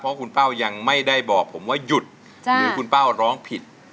เพราะคุณเป้ายังไม่ได้บอกผมว่าหยุดหรือคุณเป้าร้องผิด